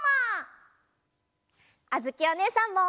あづきおねえさんも！